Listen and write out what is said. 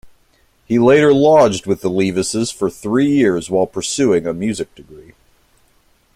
He later lodged with the Leavises for three years while pursuing a Music degree.